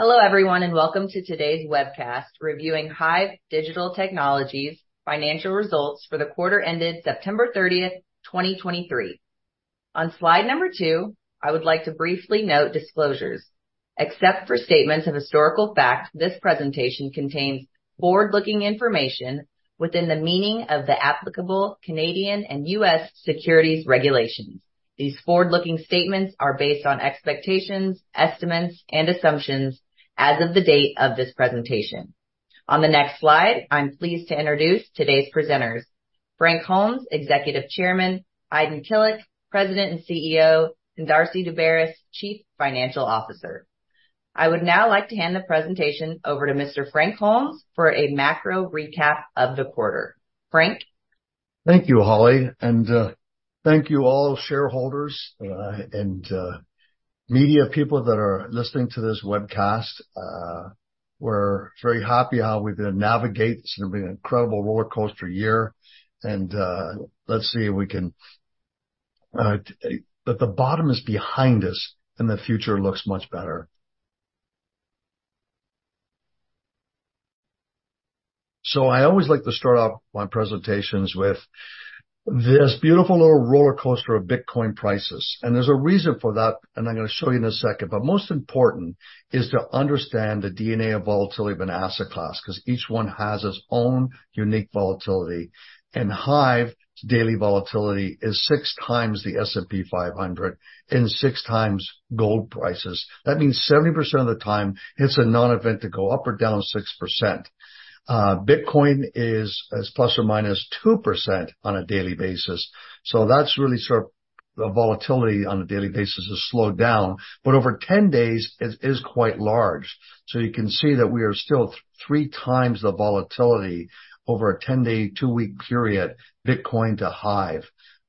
Hello, everyone, and welcome to today's webcast, reviewing HIVE Digital Technologies Financial Results for the Quarter Ended September 30, 2023. On slide number two, I would like to briefly note disclosures. Except for statements of historical fact, this presentation contains forward-looking information within the meaning of the applicable Canadian and U.S. securities regulations. These forward-looking statements are based on expectations, estimates, and assumptions as of the date of this presentation. On the next slide, I'm pleased to introduce today's presenters, Frank Holmes, Executive Chairman, Aydin Kilic, President and CEO, and Darcy Daubaras, Chief Financial Officer. I would now like to hand the presentation over to Mr. Frank Holmes for a macro recap of the quarter. Frank? Thank you, Holly, and thank you all shareholders and media people that are listening to this webcast. We're very happy how we've been able to navigate this incredible rollercoaster year, and let's see if we can, but the bottom is behind us and the future looks much better. So I always like to start off my presentations with this beautiful little rollercoaster of Bitcoin prices, and there's a reason for that, and I'm gonna show you in a second. But most important is to understand the DNA of volatility of an asset class, 'cause each one has its own unique volatility. And HIVE's daily volatility is six times the S&P 500 and six times gold prices. That means 70% of the time, it's a non-event to go up or down 6%. Bitcoin is ±2% on a daily basis, so that's really sort of the volatility on a daily basis has slowed down, but over 10 days, it is quite large. So you can see that we are still three times the volatility over a 10-day, two-week period, Bitcoin to HIVE.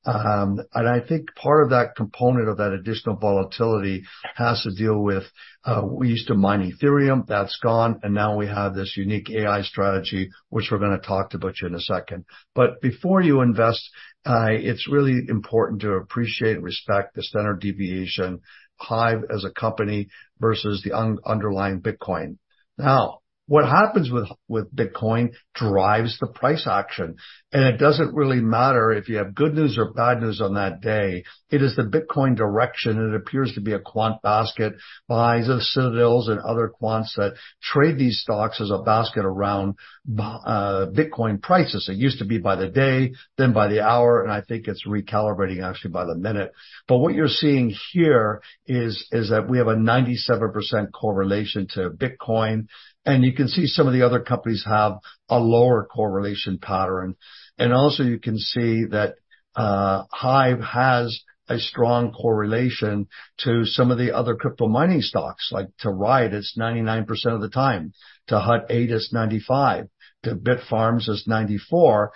And I think part of that component of that additional volatility has to deal with, we used to mine Ethereum, that's gone, and now we have this unique AI strategy, which we're gonna talk to about you in a second. But before you invest, it's really important to appreciate and respect the standard deviation, HIVE as a company versus the underlying Bitcoin. Now, what happens with Bitcoin drives the price action, and it doesn't really matter if you have good news or bad news on that day. It is the Bitcoin direction, and it appears to be a quant basket, buys of Citadels and other quants that trade these stocks as a basket around Bitcoin prices. It used to be by the day, then by the hour, and I think it's recalibrating actually by the minute. But what you're seeing here is that we have a 97% correlation to Bitcoin, and you can see some of the other companies have a lower correlation pattern. And also you can see that, HIVE has a strong correlation to some of the other crypto mining stocks, like to RIOT, it's 99% of the time, to Hut 8, it's 95%, to Bitfarms, it's 94%.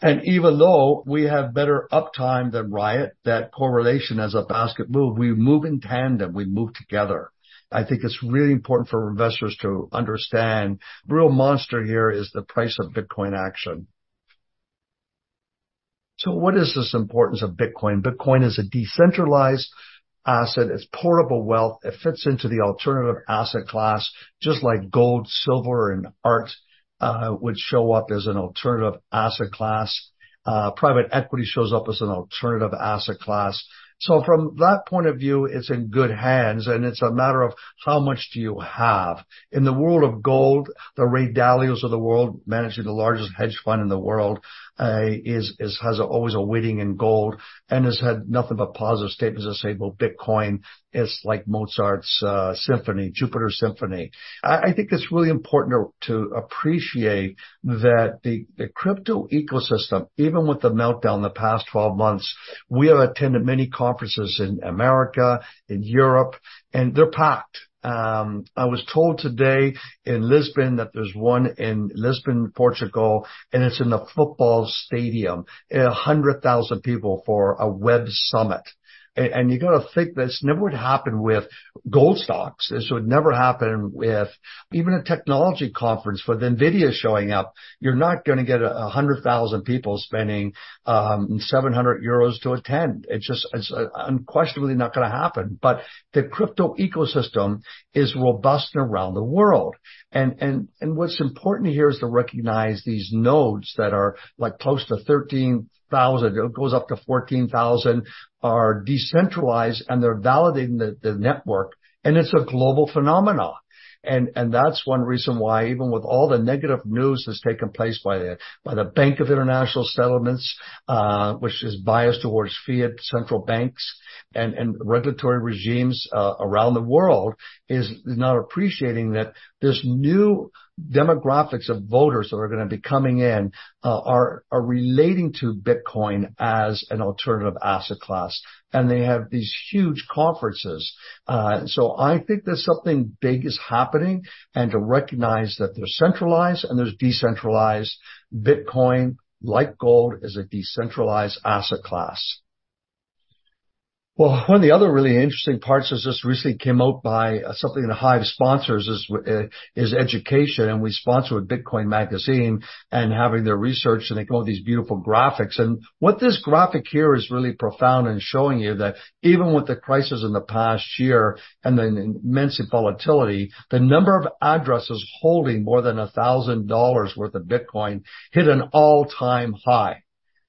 And even though we have better uptime than RIOT, that correlation as a basket move, we move in tandem, we move together. I think it's really important for investors to understand. The real monster here is the price of Bitcoin action. So what is this importance of Bitcoin? Bitcoin is a decentralized asset; it's portable wealth. It fits into the alternative asset class, just like gold, silver, and art would show up as an alternative asset class. Private equity shows up as an alternative asset class. So from that point of view, it's in good hands, and it's a matter of how much do you have? In the world of gold, the Ray Dalio's of the world, managing the largest hedge fund in the world, has always a weighting in gold and has had nothing but positive statements to say, "Well, Bitcoin is like Mozart's symphony, Jupiter Symphony." I think it's really important to appreciate that the crypto ecosystem, even with the meltdown in the past 12 months, we have attended many conferences in America, in Europe, and they're packed. I was told today in Lisbon that there's one in Lisbon, Portugal, and it's in a football stadium, 100,000 people for a Web Summit. You got to think this never would happen with gold stocks. This would never happen with even a technology conference, with NVIDIA showing up, you're not gonna get 100,000 people spending 700 euros to attend. It's just, it's unquestionably not gonna happen. But the crypto ecosystem is robust around the world. What's important here is to recognize these nodes that are like close to 13,000, it goes up to 14,000, are decentralized, and they're validating the network, and it's a global phenomena. That's one reason why even with all the negative news that's taken place by the Bank of International Settlements, which is biased towards fiat central banks and regulatory regimes around the world, is not appreciating that this new demographics of voters that are gonna be coming in are relating to Bitcoin as an alternative asset class, and they have these huge conferences. So I think that something big is happening, and to recognize that they're centralized and there's decentralized, Bitcoin, like gold, is a decentralized asset class. Well, one of the other really interesting parts is just recently came out by something that HIVE sponsors is, is education, and we sponsor a Bitcoin magazine and having their research, and they come up with these beautiful graphics. And what this graphic here is really profound in showing you that even with the crisis in the past year and the immense volatility, the number of addresses holding more than $1,000 worth of Bitcoin hit an all-time high.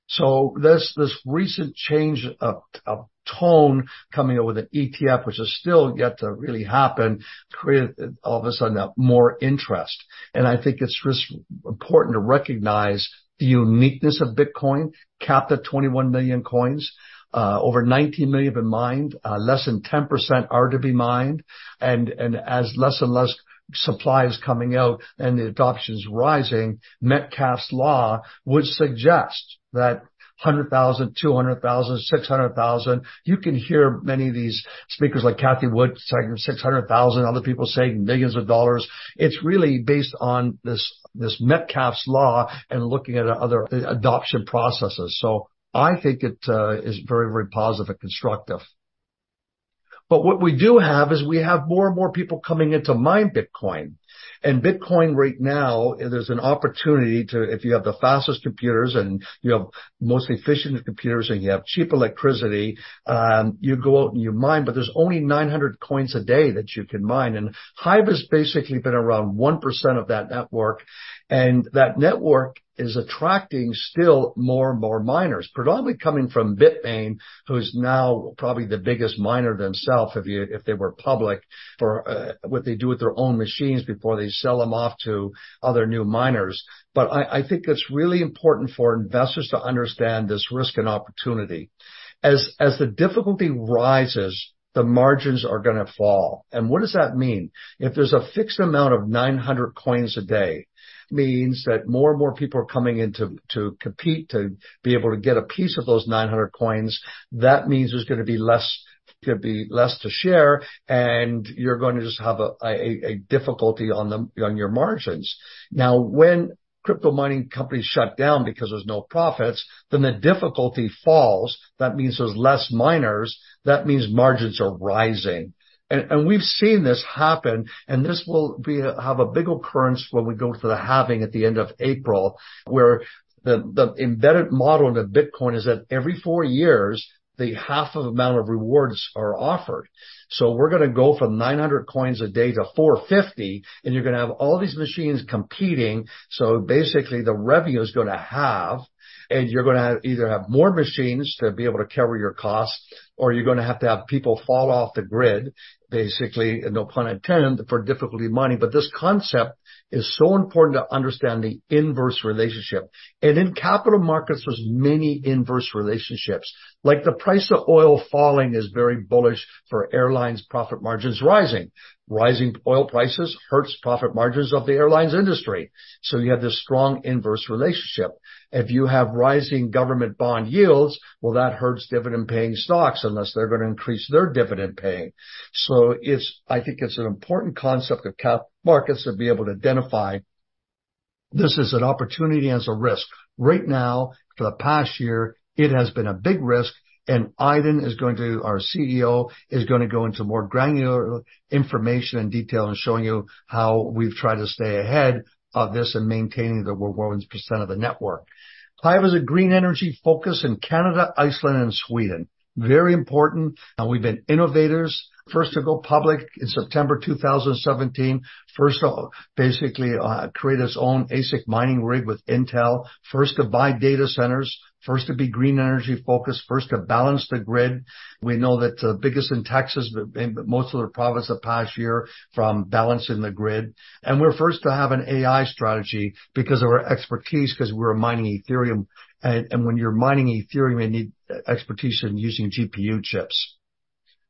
So this, this recent change of, of tone coming up with an ETF, which is still yet to really happen, created all of a sudden, more interest. And I think it's just important to recognize the uniqueness of Bitcoin, capped at 21 million coins. Over 19 million have been mined, less than 10% are to be mined. As less and less supply is coming out and the adoption is rising, Metcalfe's Law would suggest that $100,000, $200,000, $600,000. You can hear many of these speakers, like Cathie Wood, saying $600,000, other people saying millions of dollars. It's really based on this Metcalfe's Law and looking at other adoption processes. So I think it is very, very positive and constructive. But what we do have is we have more and more people coming in to mine Bitcoin. Bitcoin right now, there's an opportunity to if you have the fastest computers and you have the most efficient computers, and you have cheap electricity, you go out and you mine, but there's only 900 coins a day that you can mine, and HIVE has basically been around 1% of that network, and that network is attracting still more and more miners, predominantly coming from BITMAIN who's now probably the biggest miner themself, if they were public, for what they do with their own machines before they sell them off to other new miners. But I think it's really important for investors to understand this risk and opportunity. As the difficulty rises, the margins are gonna fall. And what does that mean? If there's a fixed amount of 900 coins a day, means that more and more people are coming in to compete, to be able to get a piece of those 900 coins. That means there's gonna be less to share, and you're going to just have a difficulty on your margins. Now, when crypto mining companies shut down because there's no profits, then the difficulty falls. That means there's less miners. That means margins are rising. And we've seen this happen, and this will have a big occurrence when we go to the halving at the end of April, where the embedded model into Bitcoin is that every four years, the half of amount of rewards are offered. So we're gonna go from 900 coins a day to 450, and you're gonna have all these machines competing. So basically, the revenue is gonna half, and you're gonna either have more machines to be able to cover your costs, or you're gonna have to have people fall off the grid, basically, no pun intended, for difficulty mining. But this concept is so important to understand the inverse relationship. And in capital markets, there's many inverse relationships, like the price of oil falling is very bullish for airlines' profit margins rising. Rising oil prices hurts profit margins of the airlines industry. So you have this strong inverse relationship. If you have rising government bond yields, well, that hurts dividend-paying stocks unless they're gonna increase their dividend paying. So it's I think it's an important concept of cap markets to be able to identify this as an opportunity and as a risk. Right now, for the past year, it has been a big risk, and Aydin is going to... Our CEO, is gonna go into more granular information and detail in showing you how we've tried to stay ahead of this in maintaining the 1% of the network. HIVE has a green energy focus in Canada, Iceland, and Sweden. Very important, and we've been innovators, first to go public in September 2017. First to basically create its own ASIC mining rig with Intel, first to buy data centers, first to be green energy focused, first to balance the grid. We know that the biggest in Texas, but most of the province the past year from balancing the grid. We're first to have an AI strategy because of our expertise, because we're mining Ethereum, and when you're mining Ethereum, you need expertise in using GPU chips.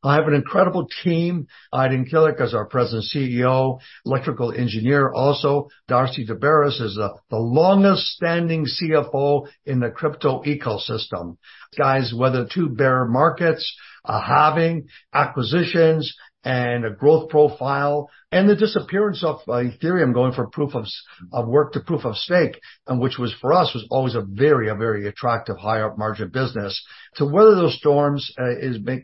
I have an incredible team. Aydin Kilic is our president and CEO, electrical engineer. Also, Darcy Daubaras is the longest-standing CFO in the crypto ecosystem. We've weathered two bear markets, halving, acquisitions, and a growth profile, and the disappearance of Ethereum going from proof of work to proof of stake, and which was for us was always a very attractive higher margin business. To weather those storms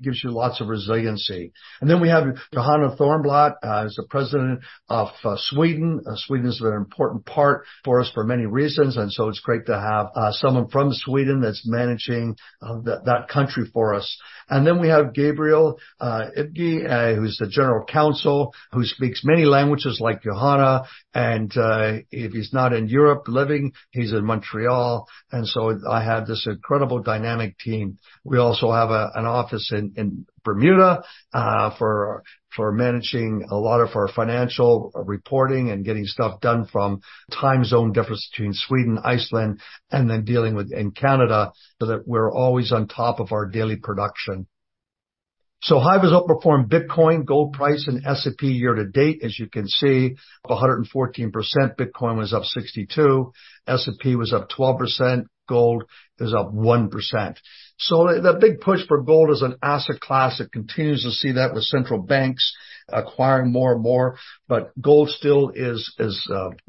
gives you lots of resiliency. And then we have Johanna Thörnblad as the president of Sweden. Sweden is an important part for us for many reasons, and so it's great to have someone from Sweden that's managing that country for us. And then we have Gabriel Ibghy, who's the general counsel, who speaks many languages like Johanna, and if he's not in Europe living, he's in Montreal. And so I have this incredible dynamic team. We also have an office in Bermuda for managing a lot of our financial reporting and getting stuff done from time zone difference between Sweden, Iceland, and then dealing with in Canada, so that we're always on top of our daily production. So HIVE has outperformed Bitcoin, gold price, and S&P year-to-date. As you can see, up 114%, Bitcoin was up 62%, S&P was up 12%, gold is up 1%. So the big push for gold as an asset class, it continues to see that with central banks acquiring more and more, but gold still is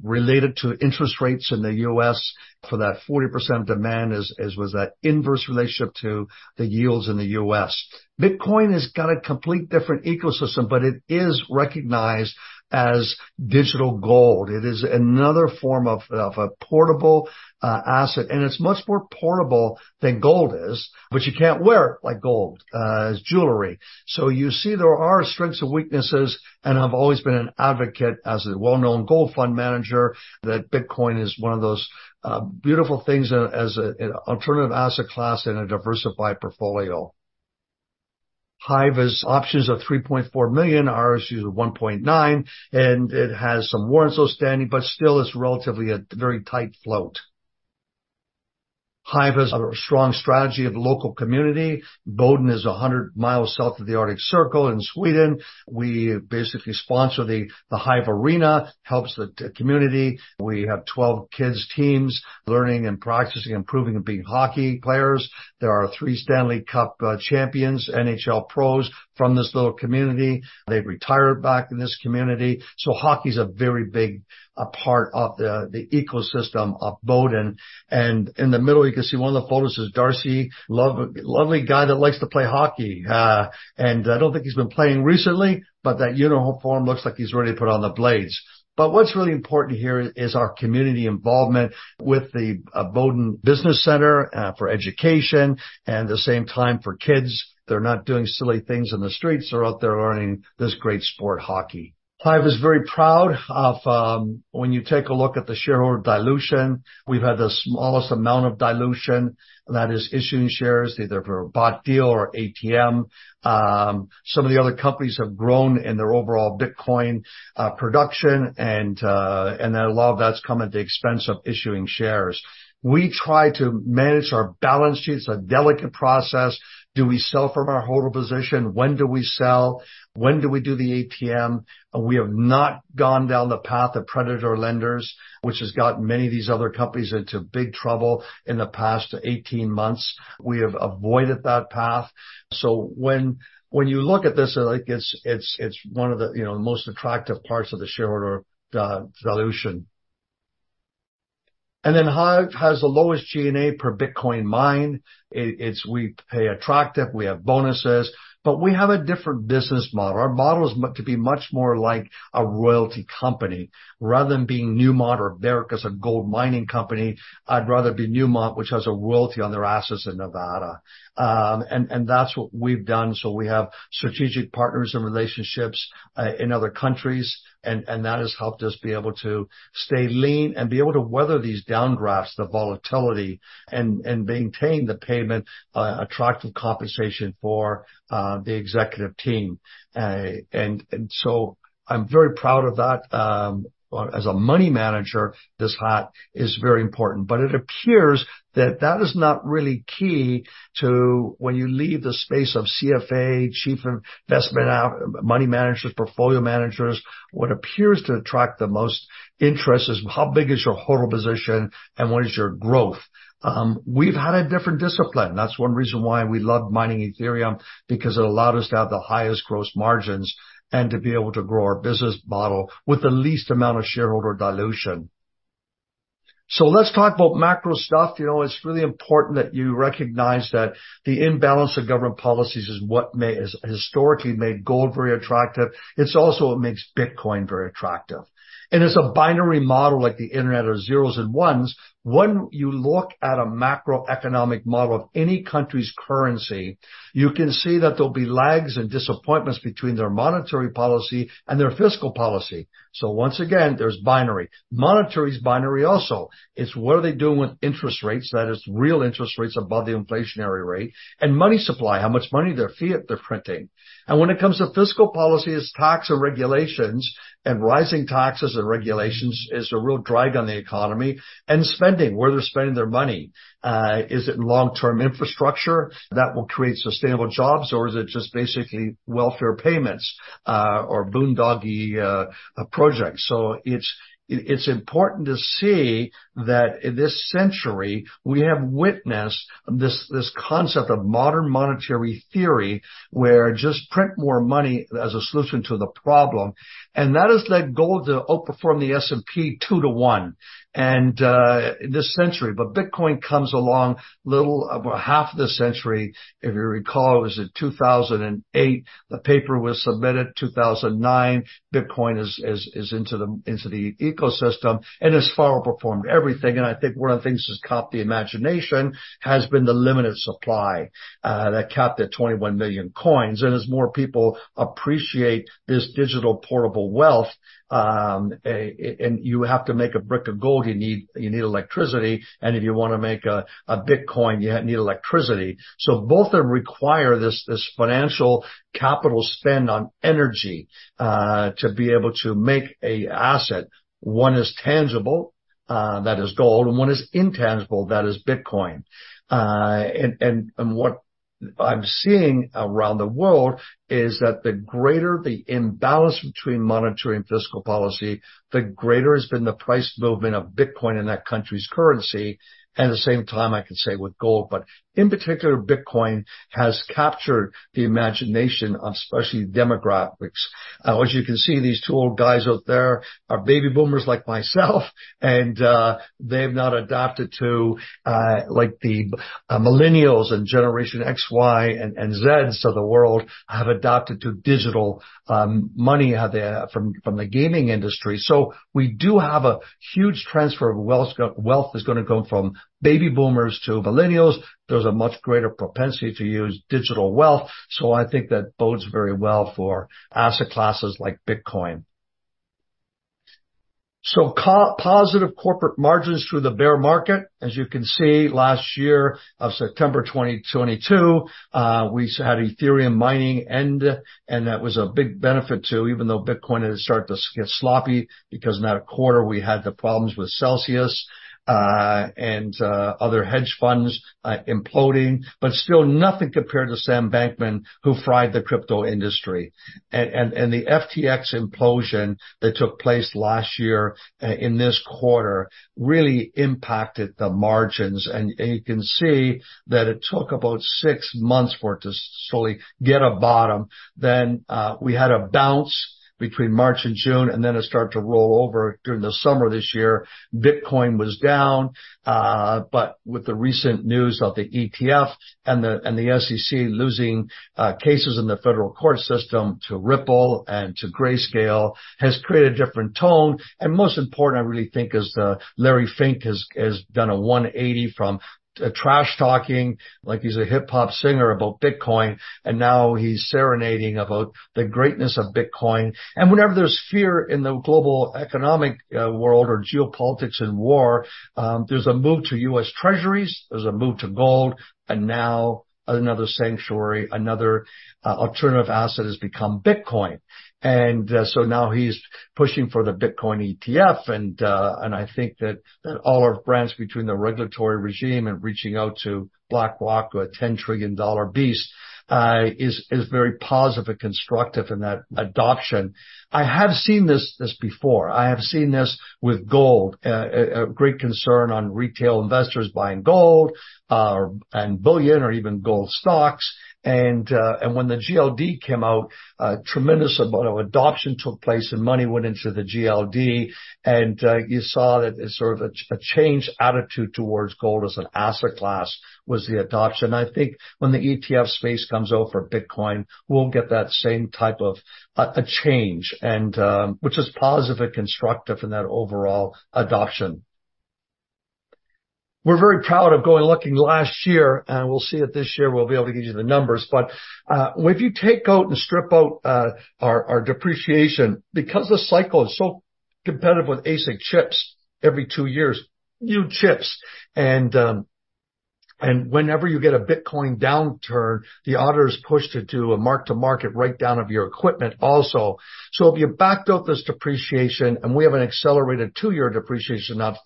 related to interest rates in the U.S. for that 40% demand, as was that inverse relationship to the yields in the U.S. Bitcoin has got a complete different ecosystem, but it is recognized as digital gold. It is another form of a portable asset, and it's much more portable than gold is, but you can't wear it like gold as jewelry. So you see there are strengths and weaknesses, and I've always been an advocate as a well-known gold fund manager, that Bitcoin is one of those beautiful things as an alternative asset class in a diversified portfolio. HIVE has options of 3.4 million, ours is 1.9, and it has some warrants outstanding, but still is relatively a very tight float. HIVE has a strong strategy of local community. Boden is 100 miles south of the Arctic Circle in Sweden. We basically sponsor the HIVE Arena, helps the community. We have 12 kids' teams learning and practicing, improving, and being hockey players. There are three Stanley Cup champions, NHL pros from this little community. They retired back in this community. So hockey is a very big part of the ecosystem of Boden. And in the middle, you can see one of the photos is Darcy. Lovely guy that likes to play hockey. And I don't think he's been playing recently, but that uniform looks like he's ready to put on the blades. But what's really important here is our community involvement with the Boden Business Center for education, and at the same time for kids. They're not doing silly things in the streets, they're out there learning this great sport, hockey. HIVE is very proud of... When you take a look at the shareholder dilution, we've had the smallest amount of dilution, that is, issuing shares, either for a bought deal or ATM. Some of the other companies have grown in their overall Bitcoin production, and, and a lot of that's come at the expense of issuing shares. We try to manage our balance sheets, a delicate process. Do we sell from our holder position? When do we sell? When do we do the ATM? We have not gone down the path of predator lenders, which has got many of these other companies into big trouble in the past 18 months. We have avoided that path. So when you look at this, like, it's one of the, you know, most attractive parts of the shareholder dilution. And then HIVE has the lowest G&A per Bitcoin mine. It's we pay attractive, we have bonuses, but we have a different business model. Our model is to be much more like a royalty company. Rather than being Newmont or Barrick as a gold mining company, I'd rather be Newmont, which has a royalty on their assets in Nevada. And that's what we've done. So we have strategic partners and relationships in other countries, and, and that has helped us be able to stay lean and be able to weather these downdrafts, the volatility, and, and maintain the payment attractive compensation for the executive team. And so I'm very proud of that. As a money manager, this lot is very important, but it appears that that is not really key to when you leave the space of CFA, chief investment money managers, portfolio managers. What appears to attract the most interest is: how big is your holder position and what is your growth? We've had a different discipline. That's one reason why we love mining Ethereum, because it allowed us to have the highest gross margins and to be able to grow our business model with the least amount of shareholder dilution. So let's talk about macro stuff. You know, it's really important that you recognize that the imbalance of government policies is what has historically made gold very attractive. It's also what makes Bitcoin very attractive. And it's a binary model, like the Internet of zeros and ones. When you look at a macroeconomic model of any country's currency, you can see that there'll be lags and disappointments between their monetary policy and their fiscal policy. So once again, there's binary. Monetary is binary also. It's what are they doing with interest rates, that is, real interest rates above the inflationary rate, and money supply, how much money, their fiat, they're printing. And when it comes to fiscal policy, it's taxes and regulations, and rising taxes and regulations is a real drag on the economy, and spending, where they're spending their money. Is it long-term infrastructure that will create sustainable jobs, or is it just basically welfare payments, or boondoggle projects? So it's important to see that in this century, we have witnessed this concept of modern monetary theory, where just print more money as a solution to the problem, and that has led gold to outperform the S&P two to one, and in this century. But Bitcoin comes along little about half of this century. If you recall, it was in 2008, the paper was submitted, 2009, Bitcoin is into the ecosystem, and it's far outperformed everything. And I think one of the things that's caught the imagination has been the limited supply that capped at 21 million coins. As more people appreciate this digital portable wealth, and you have to make a brick of gold, you need electricity, and if you wanna make a Bitcoin, you need electricity. So both of them require this financial capital spend on energy to be able to make an asset. One is tangible, that is gold, and one is intangible, that is Bitcoin. And what I'm seeing around the world is that the greater the imbalance between monetary and fiscal policy, the greater has been the price movement of Bitcoin in that country's currency, at the same time, I can say with gold. But in particular, Bitcoin has captured the imagination of especially demographics. As you can see, these two old guys out there are baby boomers like myself, and they have not adapted to, like the millennials and Generation X, Y, and Zeds of the world have adapted to digital money out there from the gaming industry. So we do have a huge transfer of wealth. Wealth is gonna go from baby boomers to millennials. There's a much greater propensity to use digital wealth, so I think that bodes very well for asset classes like Bitcoin. So positive corporate margins through the bear market. As you can see, last year, of September 2022, we had Ethereum mining end, and that was a big benefit, too, even though Bitcoin had started to get sloppy, because in that quarter, we had the problems with Celsius, and other hedge funds imploding. But still, nothing compared to Sam Bankman-Fried, who fried the crypto industry. And the FTX implosion that took place last year in this quarter really impacted the margins, and you can see that it took about six months for it to slowly get a bottom. Then we had a bounce between March and June, and then it started to roll over during the summer this year. Bitcoin was down, but with the recent news of the ETF and the SEC losing cases in the federal court system to Ripple and to Grayscale has created a different tone, and most important, I really think, is the Larry Fink has done a 180 from trash-talking, like he's a hip-hop singer about Bitcoin, and now he's serenading about the greatness of Bitcoin. And whenever there's fear in the global economic, world or geopolitics and war, there's a move to U.S. Treasuries, there's a move to gold, and now another sanctuary, another, alternative asset has become Bitcoin. And, so now he's pushing for the Bitcoin ETF, and, and I think that, that all our brands between the regulatory regime and reaching out to BlackRock, a $10 trillion beast, is, very positive and constructive in that adoption. I have seen this, this before. I have seen this with gold, a, great concern on retail investors buying gold, and bullion or even gold stocks. And when the GLD came out, a tremendous amount of adoption took place, and money went into the GLD, and you saw that it sort of a changed attitude towards gold as an asset class, was the adoption. I think when the ETF space comes out for Bitcoin, we'll get that same type of a change, and which is positive and constructive in that overall adoption. We're very proud of going looking last year, and we'll see that this year, we'll be able to give you the numbers. But if you take out and strip out our depreciation, because the cycle is so competitive with ASIC chips, every two years, new chips. And whenever you get a Bitcoin downturn, the auditors push to do a mark-to-market write-down of your equipment also. So if you backed out this depreciation, and we have an accelerated two-year depreciation, not,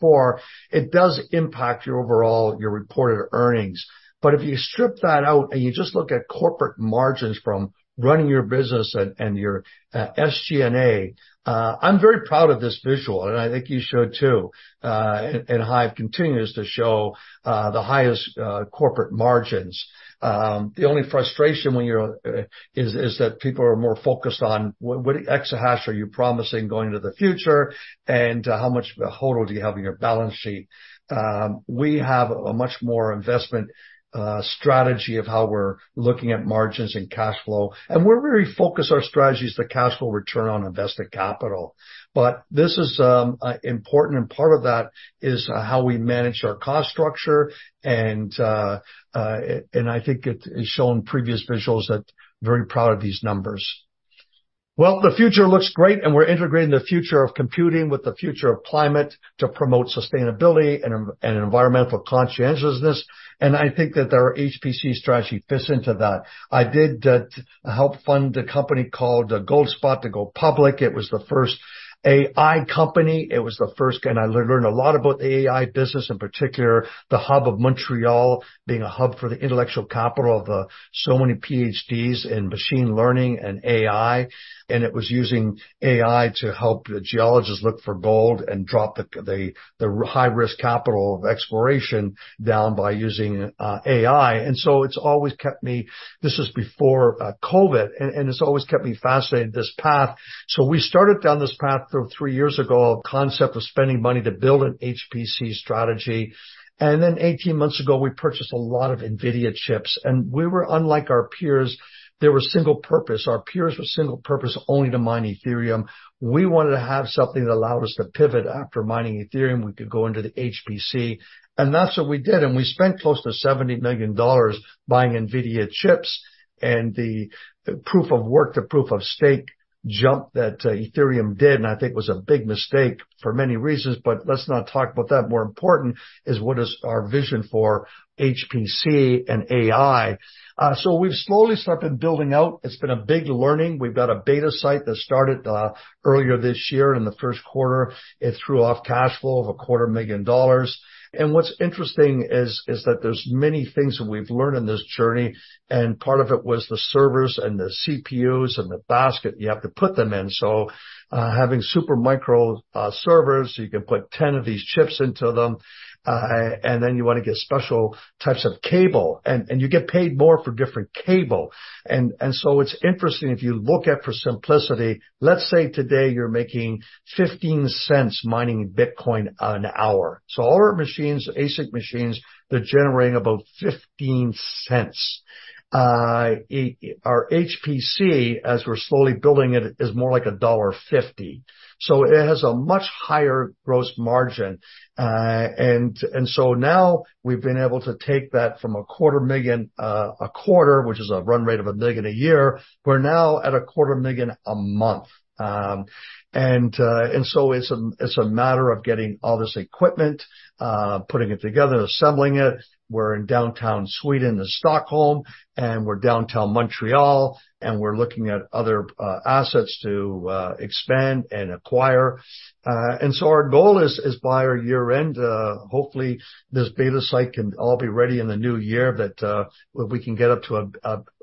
it does impact your overall, your reported earnings. But if you strip that out, and you just look at corporate margins from running your business and, and your SG&A, I'm very proud of this visual, and I think you should, too. And HIVE continues to show the highest corporate margins. The only frustration when you're is that people are more focused on what exahash are you promising going into the future, and how much HODL do you have on your balance sheet? We have a much more investment strategy of how we're looking at margins and cash flow, and we're very focused our strategies to cash flow return on invested capital. But this is important, and part of that is how we manage our cost structure, and I think it is shown in previous visuals that very proud of these numbers. Well, the future looks great, and we're integrating the future of computing with the future of climate to promote sustainability and environmental conscientiousness, and I think that our HPC strategy fits into that. I did help fund a company called GoldSpot to go public. It was the first AI company. It was the first, and I learned a lot about the AI business, in particular, the hub of Montreal, being a hub for the intellectual capital of so many PhDs in machine learning and AI, and it was using AI to help the geologists look for gold and drop the high-risk capital of exploration down by using AI. It's always kept me fascinated, this path. This was before COVID, and it's always kept me fascinated, this path. We started down this path three years ago, a concept of spending money to build an HPC strategy. Then 18 months ago, we purchased a lot of NVIDIA chips, and we were unlike our peers. They were single purpose. Our peers were single purpose, only to mine Ethereum. We wanted to have something that allowed us to pivot. After mining Ethereum, we could go into the HPC, and that's what we did. We spent close to $70 million buying NVIDIA chips, and the proof of work, the proof of stake jump that Ethereum did, and I think was a big mistake for many reasons, but let's not talk about that. More important is what is our vision for HPC and AI. So we've slowly started building out. It's been a big learning. We've got a beta site that started earlier this year in the first quarter. It threw off cash flow of $250,000. And what's interesting is that there's many things that we've learned in this journey, and part of it was the servers and the CPUs and the basket you have to put them in. So, having Supermicro servers, you can put 10 of these chips into them. And then you wanna get special types of cable, and you get paid more for different cable. And so it's interesting, if you look at, for simplicity, let's say today you're making $0.15 mining Bitcoin an hour. So all our machines, ASIC machines, they're generating about $0.15.... Our HPC, as we're slowly building it, is more like $1.50. So it has a much higher gross margin. And so now we've been able to take that from a quarter million, a quarter, which is a run rate of $1 million a year. We're now at a quarter million a month. And so it's a matter of getting all this equipment, putting it together and assembling it. We're in downtown Sweden, in Stockholm, and we're downtown Montreal, and we're looking at other assets to expand and acquire. And so our goal is by our year-end, hopefully this beta site can all be ready in the new year, that we can get up to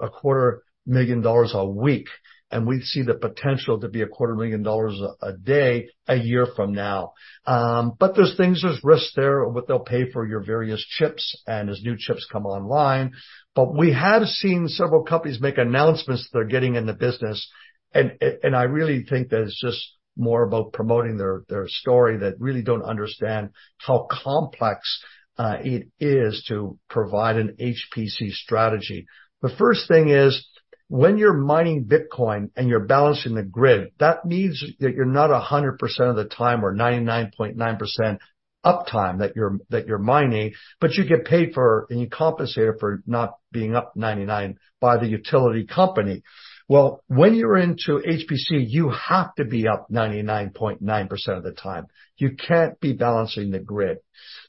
$250,000 a week, and we see the potential to be $250,000 a day, a year from now. But there's things, risks there, what they'll pay for your various chips and as new chips come online. But we have seen several companies make announcements they're getting in the business, and I really think that it's just more about promoting their story, that really don't understand how complex it is to provide an HPC strategy. The first thing is, when you're mining Bitcoin and you're balancing the grid, that means that you're not 100% of the time or 99.9% uptime that you're mining, but you get paid for, and you compensate for not being up 99% by the utility company. Well, when you're into HPC, you have to be up 99.9% of the time. You can't be balancing the grid.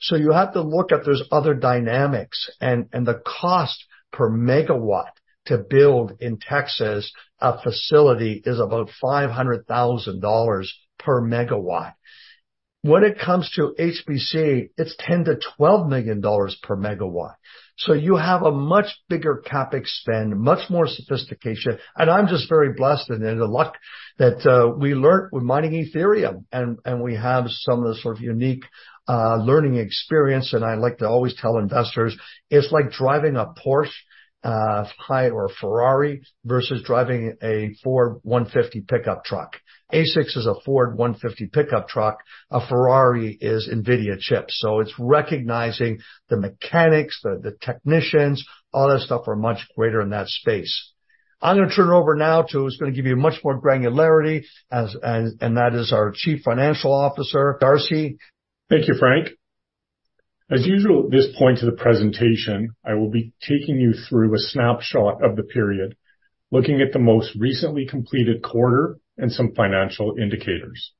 So you have to look at those other dynamics, and the cost per megawatt to build in Texas, a facility, is about $500,000 per MW. When it comes to HPC, it's $10 million-$12 million per MW. So you have a much bigger CapEx spend, much more sophistication. And I'm just very blessed and the luck that we learned with mining Ethereum, and we have some of the sort of unique learning experience. And I like to always tell investors, it's like driving a Porsche or a Ferrari versus driving a Ford 150 pickup truck. ASICs is a Ford 150 pickup truck. A Ferrari is NVIDIA chip. So it's recognizing the mechanics, the technicians, all that stuff are much greater in that space. I'm gonna turn it over now to who's gonna give you much more granularity, and that is our Chief Financial Officer, Darcy. Thank you, Frank. As usual, at this point to the presentation, I will be taking you through a snapshot of the period, looking at the most recently completed quarter and some financial indicators.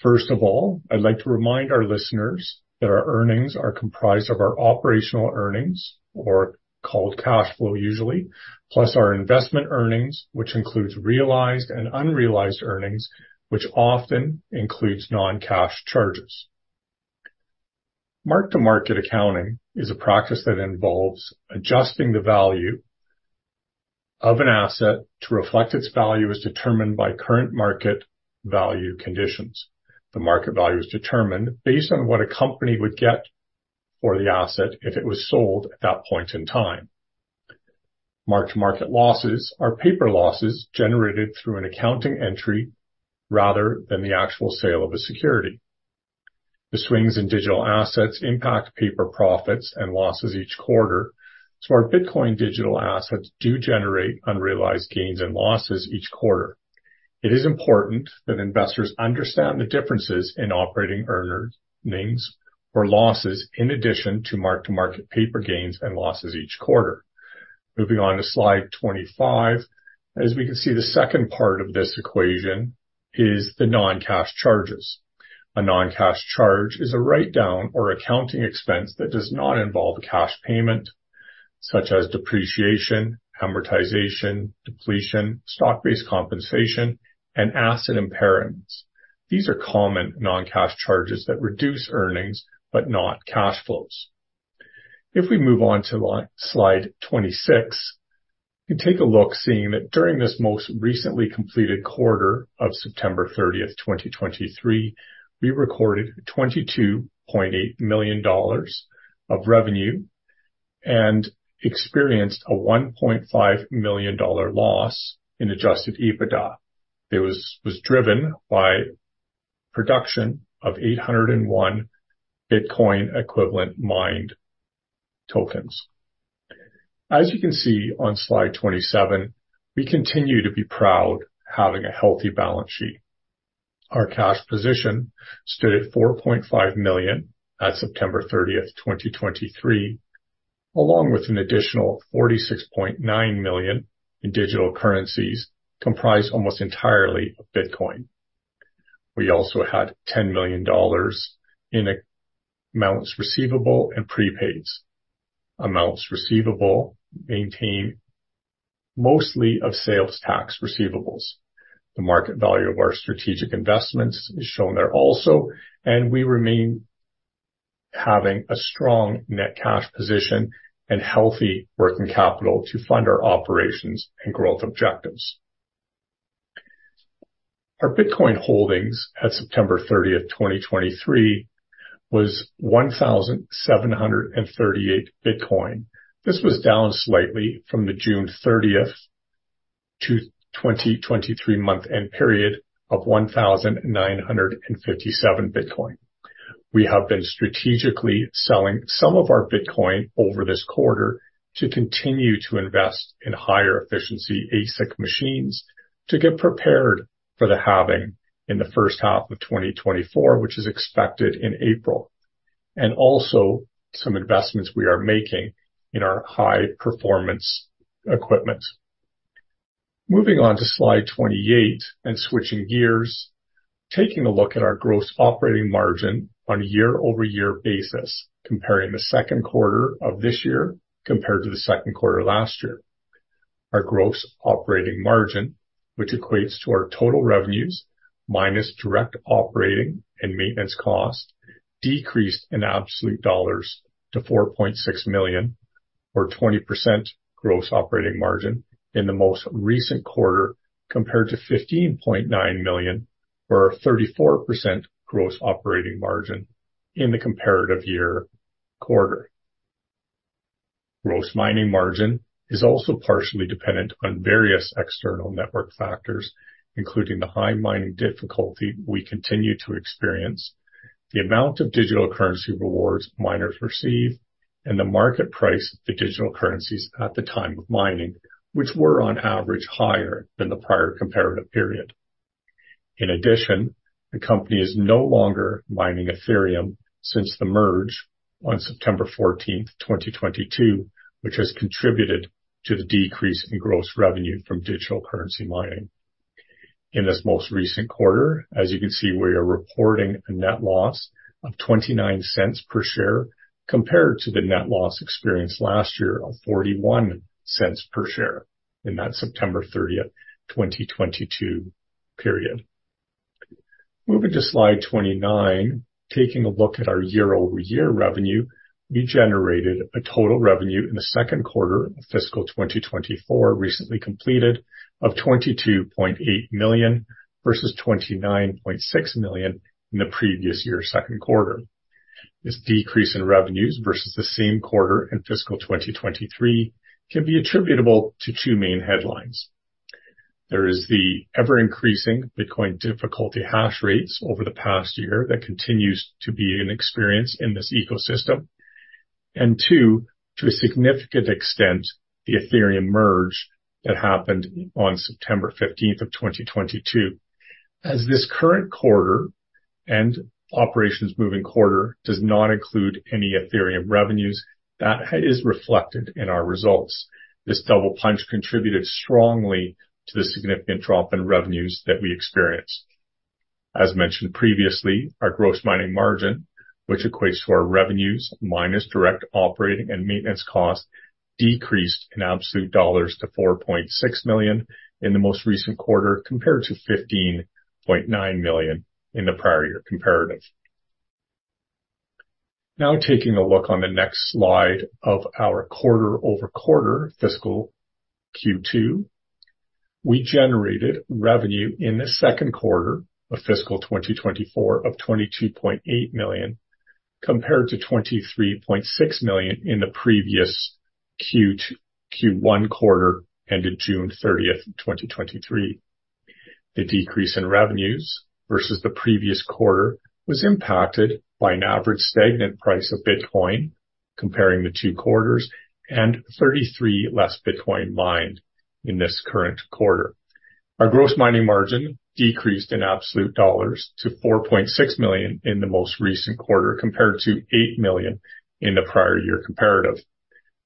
First of all, I'd like to remind our listeners that our earnings are comprised of our operational earnings or called cash flow, usually, plus our investment earnings, which includes realized and unrealized earnings, which often includes non-cash charges. Mark-to-Market accounting is a practice that involves adjusting the value of an asset to reflect its value, as determined by current market value conditions. The market value is determined based on what a company would get for the asset if it was sold at that point in time. Mark-to-Market losses are paper losses generated through an accounting entry rather than the actual sale of a security. The swings in digital assets impact paper profits and losses each quarter, so our Bitcoin digital assets do generate unrealized gains and losses each quarter. It is important that investors understand the differences in operating earnings or losses, in addition to mark-to-market paper gains and losses each quarter. Moving on to slide 25. As we can see, the second part of this equation is the non-cash charges. A non-cash charge is a write-down or accounting expense that does not involve a cash payment, such as depreciation, amortization, depletion, stock-based compensation, and asset impairments. These are common non-cash charges that reduce earnings but not cash flows. If we move on to slide 26, you can take a look, seeing that during this most recently completed quarter of September 30, 2023, we recorded $22.8 million of revenue and experienced a $1.5 million loss in adjusted EBITDA. It was driven by production of 801 Bitcoin equivalent mined tokens. As you can see on slide 27, we continue to be proud having a healthy balance sheet. Our cash position stood at $4.5 million at September 30, 2023, along with an additional $46.9 million in digital currencies, comprised almost entirely of Bitcoin. We also had $10 million in amounts receivable and prepaids. Amounts receivable mainly consist of sales tax receivables. The market value of our strategic investments is shown there also, and we remain having a strong net cash position and healthy working capital to fund our operations and growth objectives. Our Bitcoin holdings at September 30, 2023, was 1,738 Bitcoin. This was down slightly from the June 30, 2023 month end period of 1,957 Bitcoin. We have been strategically selling some of our Bitcoin over this quarter to continue to invest in higher efficiency ASIC machines, to get prepared for the halving in the first half of 2024, which is expected in April, and also some investments we are making in our high performance equipment. Moving on to slide 28 and switching gears, taking a look at our gross operating margin on a year-over-year basis, comparing the second quarter of this year compared to the second quarter last year. Our gross operating margin, which equates to our total revenues minus direct operating and maintenance costs, decreased in absolute dollars to $4.6 million or 20% gross operating margin in the most recent quarter, compared to $15.9 million, or 34% gross operating margin in the comparative year quarter. Gross mining margin is also partially dependent on various external network factors, including the high mining difficulty we continue to experience, the amount of digital currency rewards miners receive, and the market price of the digital currencies at the time of mining, which were on average higher than the prior comparative period. In addition, the company is no longer mining Ethereum since the merge on September 14, 2022, which has contributed to the decrease in gross revenue from digital currency mining. In this most recent quarter, as you can see, we are reporting a net loss of $0.29 per share, compared to the net loss experienced last year of $0.41 per share in that September 30, 2022 period. Moving to slide 29, taking a look at our year-over-year revenue, we generated a total revenue in the second quarter of fiscal 2024, recently completed, of $22.8 million, versus $29.6 million in the previous year's second quarter. This decrease in revenues versus the same quarter in fiscal 2023 can be attributable to two main headlines. There is the ever-increasing Bitcoin difficulty hash rates over the past year that continues to be an experience in this ecosystem, and two, to a significant extent, the Ethereum merge that happened on September 15, 2022. As this current quarter and operations moving quarter does not include any Ethereum revenues, that is reflected in our results. This double punch contributed strongly to the significant drop in revenues that we experienced. As mentioned previously, our gross mining margin, which equates to our revenues minus direct operating and maintenance costs, decreased in absolute dollars to $4.6 million in the most recent quarter, compared to $15.9 million in the prior-year comparative. Now, taking a look on the next slide of our quarter-over-quarter fiscal Q2, we generated revenue in the second quarter of fiscal 2024 of $22.8 million, compared to $23.6 million in the previous Q2-Q1 quarter, ended June thirtieth, 2023. The decrease in revenues versus the previous quarter was impacted by an average stagnant price of Bitcoin, comparing the two quarters, and 33 less Bitcoin mined in this current quarter. Our gross mining margin decreased in absolute dollars to $4.6 million in the most recent quarter, compared to $8 million in the prior year comparative.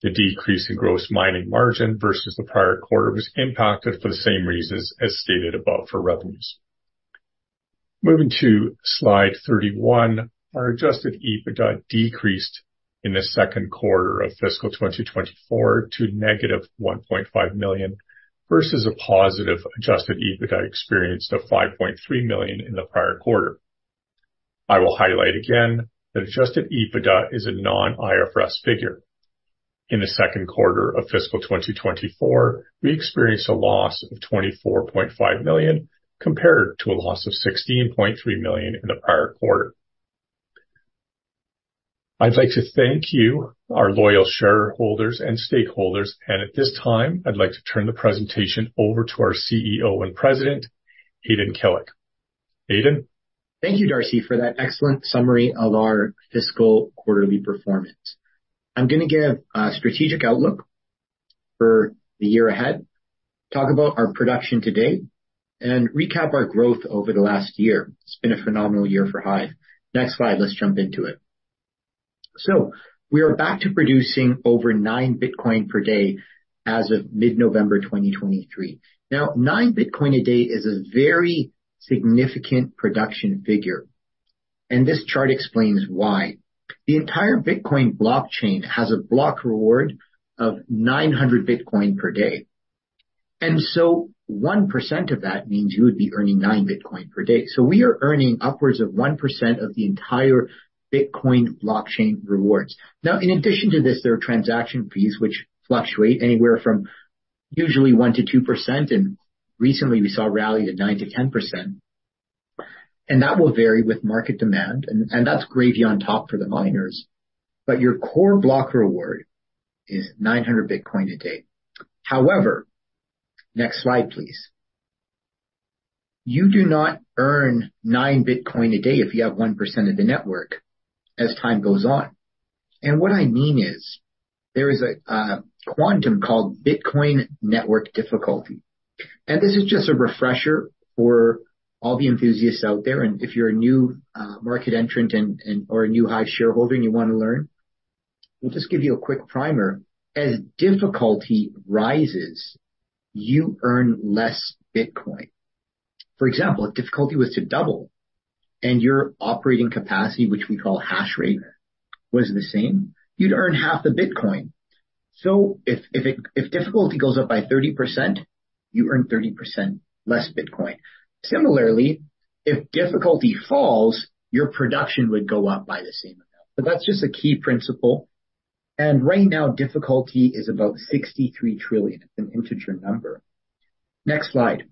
The decrease in gross mining margin versus the prior quarter was impacted for the same reasons as stated above for revenues. Moving to slide 31, our adjusted EBITDA decreased in the second quarter of fiscal 2024 to -$1.5 million, versus a positive adjusted EBITDA experience of $5.3 million in the prior quarter. I will highlight again that adjusted EBITDA is a non-IFRS figure. In the second quarter of fiscal 2024, we experienced a loss of $24.5 million, compared to a loss of $16.3 million in the prior quarter. I'd like to thank you, our loyal shareholders and stakeholders, and at this time, I'd like to turn the presentation over to our CEO and President, Aydin Kilic. Aydin? Thank you, Darcy, for that excellent summary of our fiscal quarterly performance. I'm going to give a strategic outlook for the year ahead, talk about our production today, and recap our growth over the last year. It's been a phenomenal year for HIVE. Next slide. Let's jump into it. So we are back to producing over 9 Bitcoin per day as of mid-November 2023. Now, 9 Bitcoin a day is a very significant production figure, and this chart explains why. The entire Bitcoin blockchain has a block reward of 900 Bitcoin per day, and so 1% of that means you would be earning 9 Bitcoin per day. So we are earning upwards of 1% of the entire Bitcoin blockchain rewards. Now, in addition to this, there are transaction fees which fluctuate anywhere from usually 1%-2%, and recently we saw a rally to 9%-10%. And that will vary with market demand, and that's gravy on top for the miners. But your core block reward is 900 Bitcoin a day. However, next slide, please. You do not earn 9 Bitcoin a day if you have 1% of the network as time goes on. And what I mean is, there is a quantum called Bitcoin network difficulty. And this is just a refresher for all the enthusiasts out there, and if you're a new market entrant or a new HIVE shareholder, and you wanna learn, we'll just give you a quick primer. As difficulty rises, you earn less Bitcoin. For example, if difficulty was to double and your operating capacity, which we call Hash Rate, was the same, you'd earn half the Bitcoin. So if it—if difficulty goes up by 30%, you earn 30% less Bitcoin. Similarly, if difficulty falls, your production would go up by the same amount. But that's just a key principle, and right now, difficulty is about 63 trillion. It's an integer number. Next slide.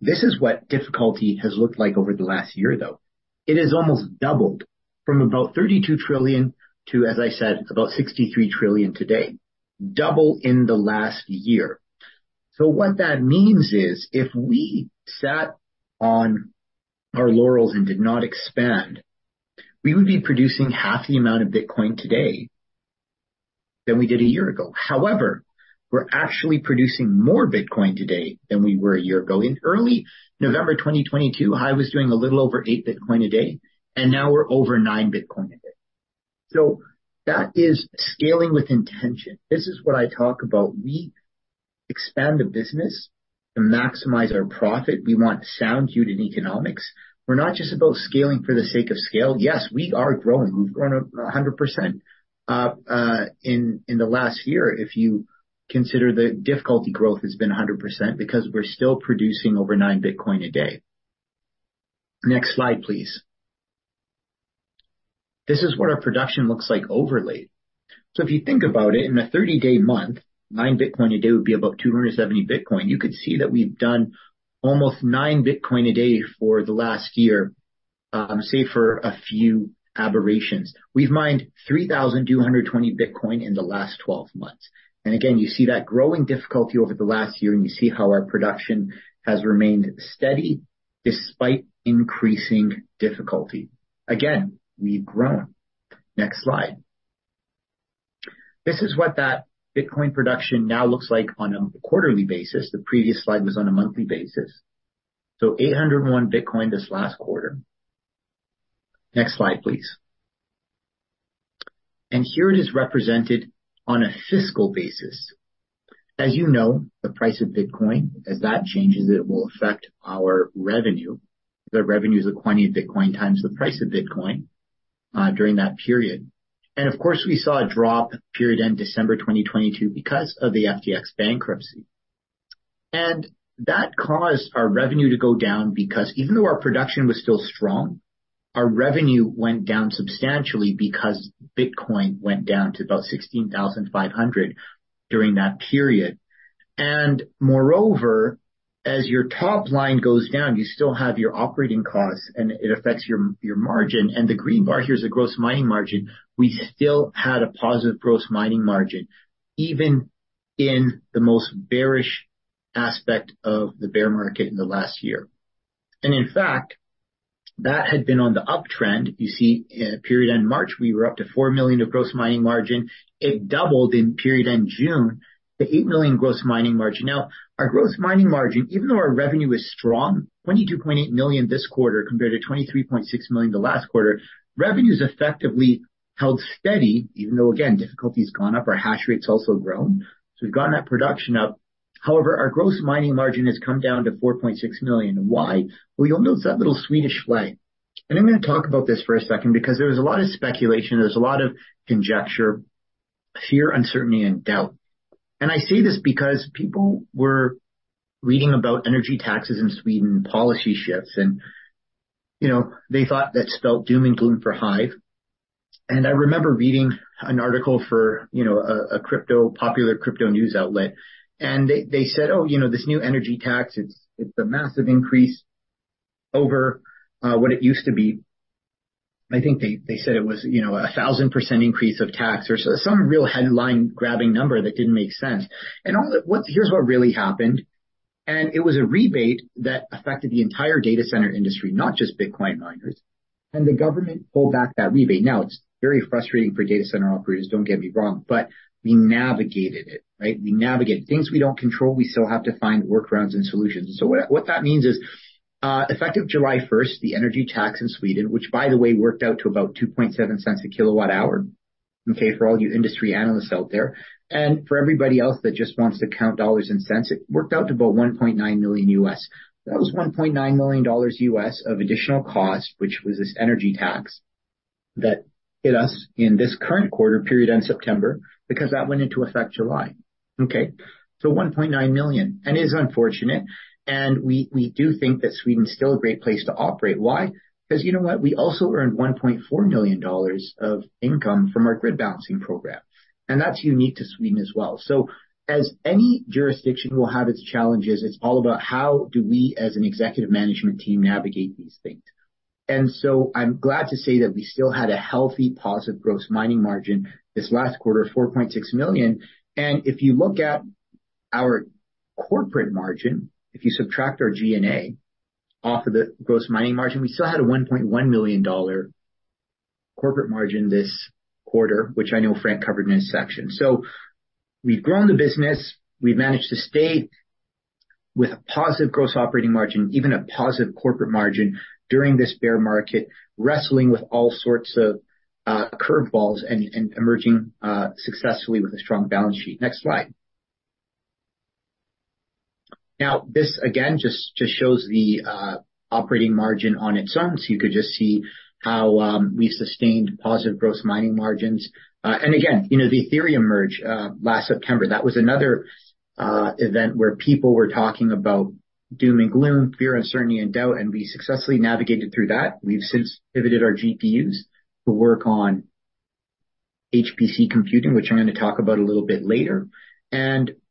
This is what difficulty has looked like over the last year, though. It has almost doubled from about 32 trillion to, as I said, about 63 trillion today, double in the last year. So what that means is, if we sat on our laurels and did not expand, we would be producing half the amount of Bitcoin today than we did a year ago. However, we're actually producing more Bitcoin today than we were a year ago. In early November 2022, HIVE was doing a little over 8 Bitcoin a day, and now we're over 9 Bitcoin a day. So that is scaling with intention. This is what I talk about. We expand the business to maximize our profit. We want sound unit economics. We're not just about scaling for the sake of scale. Yes, we are growing. We've grown 100% in the last year, if you consider the difficulty growth has been 100% because we're still producing over 9 Bitcoin a day. Next slide, please. This is what our production looks like overall. So if you think about it, in a 30-day month, 9 Bitcoin a day would be about 270 Bitcoin. You could see that we've done almost 9 Bitcoin a day for the last year, save for a few aberrations. We've mined 3,220 Bitcoin in the last twelve months. And again, you see that growing difficulty over the last year, and you see how our production has remained steady despite increasing difficulty. Again, we've grown. Next slide. This is what that Bitcoin production now looks like on a quarterly basis. The previous slide was on a monthly basis. So 801 Bitcoin this last quarter. Next slide, please. And here it is represented on a fiscal basis. As you know, the price of Bitcoin, as that changes, it will affect our revenue. The revenue is the quantity of Bitcoin times the price of Bitcoin during that period. And of course, we saw a drop period end December 2022 because of the FTX bankruptcy. And that caused our revenue to go down because even though our production was still strong, our revenue went down substantially because Bitcoin went down to about $16,500 during that period. And moreover, as your top line goes down, you still have your operating costs, and it affects your margin. And the green bar here is a gross mining margin. We still had a positive gross mining margin, even in the most bearish aspect of the bear market in the last year. And in fact, that had been on the uptrend. You see, in period end March, we were up to $4 million of gross mining margin. It doubled in period end June to $8 million gross mining margin. Now, our gross mining margin, even though our revenue is strong, $22.8 million this quarter compared to $23.6 million the last quarter, revenue is effectively held steady, even though, again, difficulty has gone up, our hash rate's also grown. So we've gotten that production up. However, our gross mining margin has come down to $4.6 million. Why? Well, you'll notice that little Swedish flag. And I'm gonna talk about this for a second because there is a lot of speculation, there's a lot of conjecture, fear, uncertainty, and doubt. And I say this because people were reading about energy taxes in Sweden, policy shifts, and, you know, they thought that spelled doom and gloom for HIVE. I remember reading an article for, you know, a popular crypto news outlet, and they said, "Oh, you know, this new energy tax, it's a massive increase over what it used to be." I think they said it was, you know, a 1,000% increase of tax or so, some real headline grabbing number that didn't make sense. And all that—what—here's what really happened, and it was a rebate that affected the entire data center industry, not just Bitcoin miners, and the government pulled back that rebate. Now, it's very frustrating for data center operators, don't get me wrong, but we navigated it, right? We navigate. Things we don't control, we still have to find workarounds and solutions. So what that means is, effective July 1, the energy tax in Sweden, which, by the way, worked out to about $0.027/kWh, okay, for all you industry analysts out there, and for everybody else that just wants to count dollars and cents, it worked out to about $1.9 million. That was $1.9 million of additional cost, which was this energy tax that hit us in this current quarter, period-end September, because that went into effect July, okay? So $1.9 million, and it is unfortunate, and we do think that Sweden is still a great place to operate. Why? Because you know what? We also earned $1.4 million of income from our grid balancing program, and that's unique to Sweden as well. So as any jurisdiction will have its challenges, it's all about how do we, as an executive management team, navigate these things? And so I'm glad to say that we still had a healthy, positive gross mining margin this last quarter, $4.6 million. And if you look at our corporate margin, if you subtract our G&A off of the gross mining margin, we still had a $1.1 million corporate margin this quarter, which I know Frank covered in his section. So we've grown the business. We've managed to stay with a positive gross operating margin, even a positive corporate margin, during this bear market, wrestling with all sorts of, curve balls and emerging, successfully with a strong balance sheet. Next slide. Now, this, again, just shows the operating margin on its own. You could just see how we sustained positive gross mining margins. Again, you know, the Ethereum merge last September, that was another event where people were talking about doom and gloom, fear, uncertainty and doubt, and we successfully navigated through that. We've since pivoted our GPUs to work on HPC computing, which I'm going to talk about a little bit later.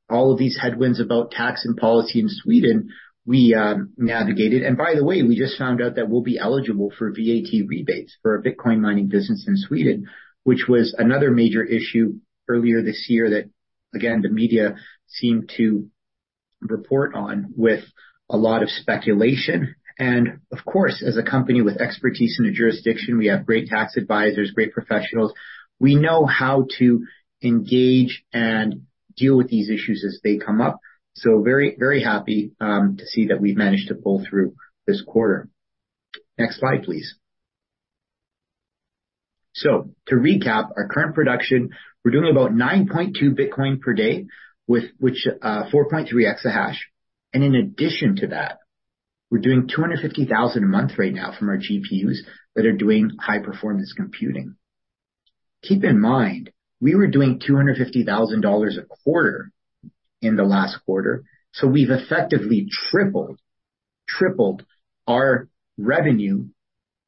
All of these headwinds about tax and policy in Sweden, we navigated. By the way, we just found out that we'll be eligible for VAT rebates for our Bitcoin mining business in Sweden, which was another major issue earlier this year, that, again, the media seemed to report on with a lot of speculation. Of course, as a company with expertise in a jurisdiction, we have great tax advisors, great professionals. We know how to engage and deal with these issues as they come up. So very, very happy to see that we've managed to pull through this quarter. Next slide, please. So to recap our current production, we're doing about 9.2 Bitcoin per day, with which 4.3 exahash. And in addition to that, we're doing $250,000 a month right now from our GPUs that are doing high performance computing. Keep in mind, we were doing $250,000 a quarter in the last quarter, so we've effectively tripled, tripled our revenue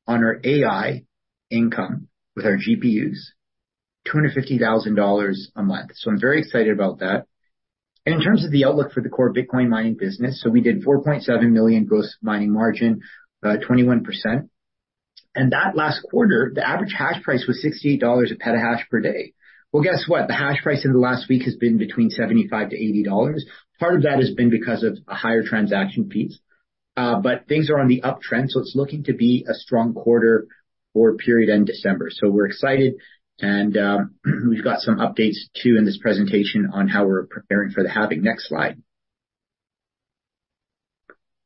on our AI income with our GPUs, $250,000 a month. So I'm very excited about that. And in terms of the outlook for the core Bitcoin mining business, so we did $4.7 million gross mining margin, 21%. That last quarter, the average hash price was $68 a petahash per day. Well, guess what? The hash price in the last week has been between $75-$80. Part of that has been because of higher transaction fees, but things are on the uptrend, so it's looking to be a strong quarter for period end December. So we're excited, and we've got some updates, too, in this presentation on how we're preparing for the halving. Next slide.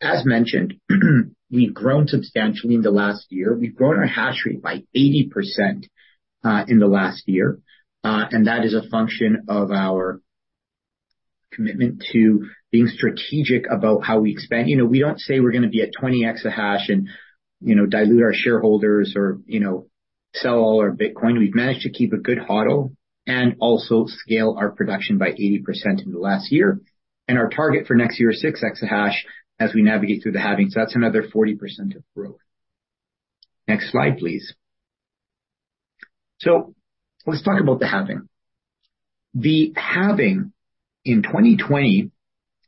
As mentioned, we've grown substantially in the last year. We've grown our hash rate by 80%, in the last year, and that is a function of our commitment to being strategic about how we expand. You know, we don't say we're going to be at 20 exahash and, you know, dilute our shareholders or, you know, sell all our Bitcoin. We've managed to keep a good HODL and also scale our production by 80% in the last year, and our target for next year is 6 exahash as we navigate through the halving. So that's another 40% of growth. Next slide, please. So let's talk about the halving. The halving in 2020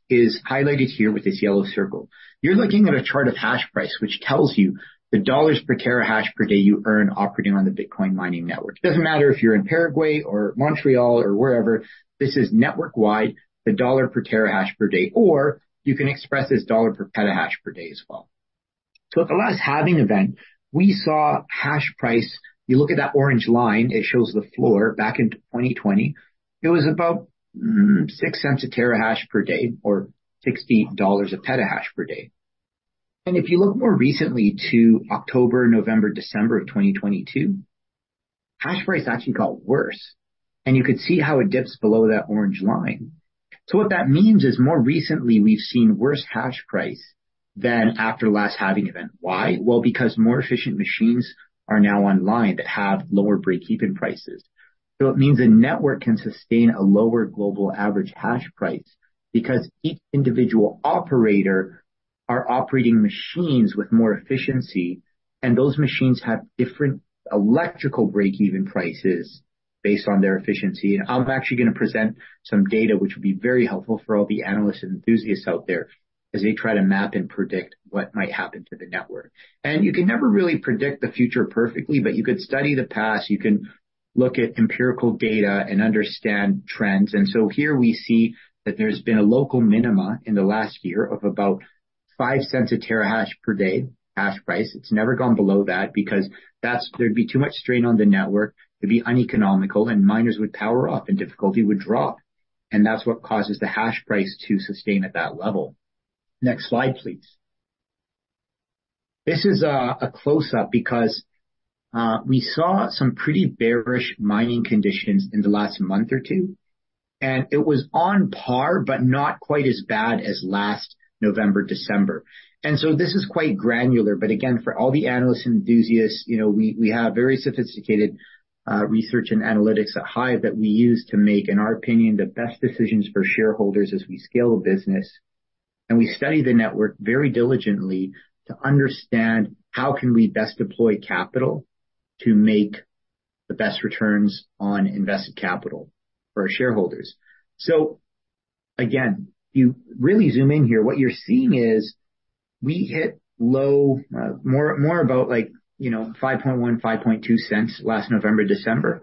is highlighted here with this yellow circle. You're looking at a chart of hash price, which tells you the $ per terahash per day you earn operating on the Bitcoin mining network. It doesn't matter if you're in Paraguay or Montreal or wherever. This is network-wide, the $ per terahash per day or you can express this $ per petahash per day as well. So at the last halving event, we saw hash price. You look at that orange line, it shows the floor back in 2020, it was about $0.06 a terahash per day, or $68 a petahash per day. And if you look more recently to October, November, December of 2022, hash price actually got worse, and you could see how it dips below that orange line. So what that means is, more recently, we've seen worse hash price than after the last halving event. Why? Well, because more efficient machines are now online that have lower break-even prices. So it means a network can sustain a lower global average hash price because each individual operator are operating machines with more efficiency, and those machines have different electrical break-even prices based on their efficiency. I'm actually going to present some data which will be very helpful for all the analysts and enthusiasts out there as they try to map and predict what might happen to the network. You can never really predict the future perfectly, but you could study the past, you can look at empirical data and understand trends. So here we see that there's been a local minima in the last year of about $0.05/terahash per day, hash price. It's never gone below that because that's, there'd be too much strain on the network, it'd be uneconomical, and miners would power off and difficulty would drop. That's what causes the hash price to sustain at that level. Next slide, please. This is a close-up because we saw some pretty bearish mining conditions in the last month or two, and it was on par, but not quite as bad as last November, December. This is quite granular, but again, for all the analysts and enthusiasts, you know, we have very sophisticated research and analytics at HIVE that we use to make, in our opinion, the best decisions for shareholders as we scale the business. We study the network very diligently to understand how can we best deploy capital to make the best returns on invested capital for our shareholders? Again, you really zoom in here, what you're seeing is we hit low, more about like, you know, $0.051-$0.052 last November, December,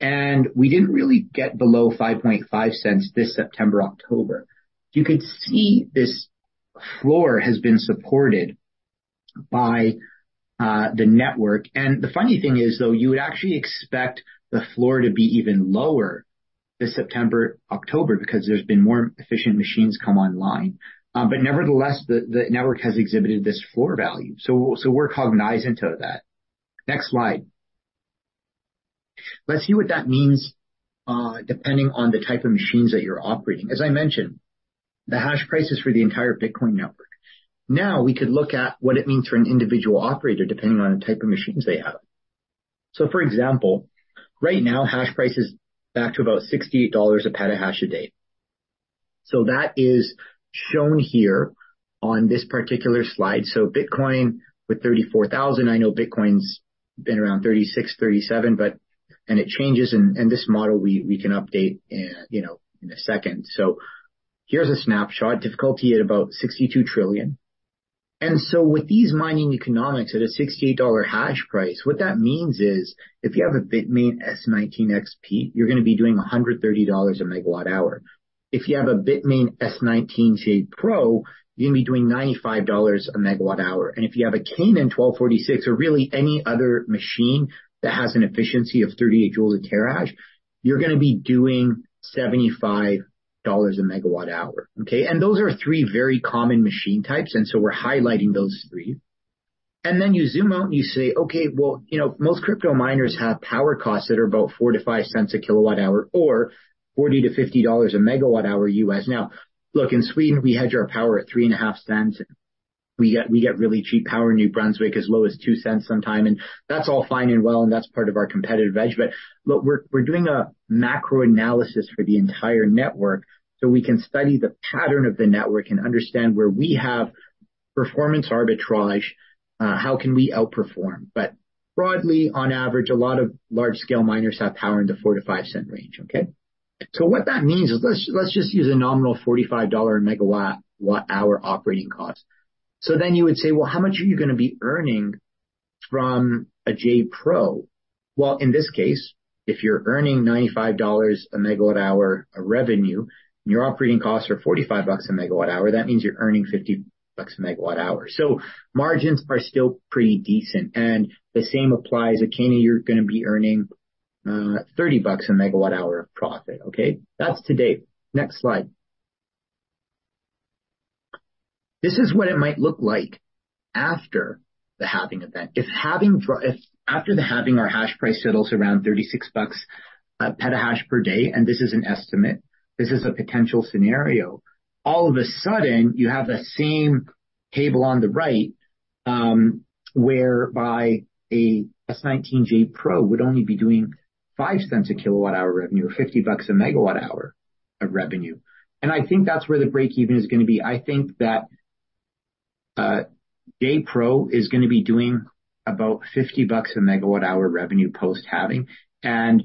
and we didn't really get below $0.055 this September, October. You could see this floor has been supported by the network. And the funny thing is, though, you would actually expect the floor to be even lower this September, October, because there's been more efficient machines come online. But nevertheless, the network has exhibited this floor value, so we're cognized into that. Next slide. Let's see what that means depending on the type of machines that you're operating. As I mentioned, the hash prices for the entire Bitcoin network. Now, we could look at what it means for an individual operator, depending on the type of machines they have. So, for example, right now, hash price is back to about $68 a petahash a day. So that is shown here on this particular slide. So Bitcoin with $34,000, I know Bitcoin's been around 36, 37, but, and it changes, and this model we can update in, you know, in a second. So here's a snapshot, difficulty at about 62 trillion. And so with these mining economics at a $68 hash price, what that means is if you have a BITMAIN S19 XP, you're gonna be doing $130/MWh. If you have a BITMAIN S19j Pro, you're gonna be doing $95/MWh. And if you have a Canaan 1246, or really any other machine that has an efficiency of 38 J/TH, you're gonna be doing $75/MWh, okay? And those are three very common machine types, and so we're highlighting those three. And then you zoom out and you say, okay, well, you know, most crypto miners have power costs that are about $0.04-$0.05/kWh or $40-$50/MWh U.S. Now, look, in Sweden, we hedge our power at $0.035/kWh. We get, we get really cheap power in New Brunswick, as low as $0.02/kWh sometimes, and that's all fine and well, and that's part of our competitive edge. But, look, we're, we're doing a macro analysis for the entire network so we can study the pattern of the network and understand where we have performance arbitrage, how can we outperform? But broadly, on average, a lot of large-scale miners have power in the $0.04-$0.05 range, okay? So what that means is, let's, let's just use a nominal $45/MWh operating cost. So then you would say, well, how much are you gonna be earning from a J Pro? Well, in this case, if you're earning $95 a MWh of revenue, and your operating costs are $45 a MWh, that means you're earning $50 a MWh. So margins are still pretty decent, and the same applies at Canaan. You're gonna be earning $30 a MWh of profit, okay? That's to date. Next slide. This is what it might look like after the halving event. If after the halving, our hash price settles around $36 petahash per day, and this is an estimate, this is a potential scenario. All of a sudden, you have the same table on the right, whereby a S19 J Pro would only be doing $0.05/kWh revenue, or $50/MWh of revenue. And I think that's where the break-even is gonna be. I think that J Pro is gonna be doing about $50/MWh revenue post-halving. And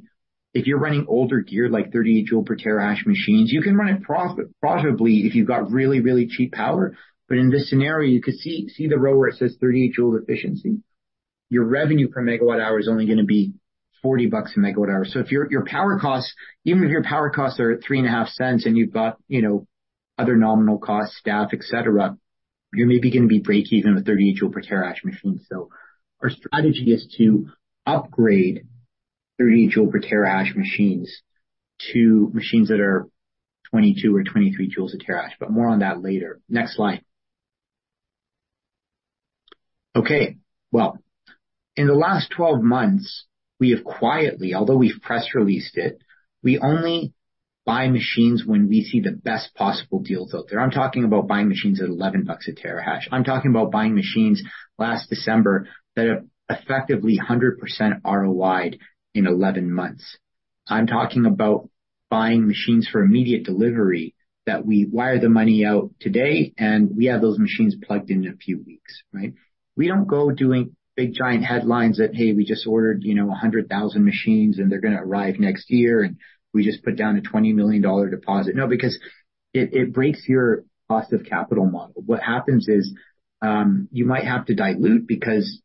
if you're running older gear, like 38 joule per terahash machines, you can run it profitably if you've got really, really cheap power. But in this scenario, you can see the row where it says 38 joule efficiency. Your revenue per megawatt hour is only gonna be $40/MWh. So if your, your power costs, even if your power costs are at $0.035 and you've got, you know, other nominal costs, staff, et cetera, you're maybe gonna be break even with 38 joules per terahash machines. So our strategy is to upgrade 38 joules per terahash machines to machines that are 22 or 23 joules a terahash, but more on that later. Next slide. Okay, well, in the last 12 months, we have quietly, although we've press released it, we only buy machines when we see the best possible deals out there. I'm talking about buying machines at $11 a terahash. I'm talking about buying machines last December that have effectively a 100% ROI'd in 11 months. I'm talking about buying machines for immediate delivery, that we wire the money out today, and we have those machines plugged in in a few weeks, right? We don't go doing big, giant headlines that, hey, we just ordered, you know, 100,000 machines, and they're gonna arrive next year, and we just put down a $20 million deposit. No, because it, it breaks your cost of capital model. What happens is, you might have to dilute because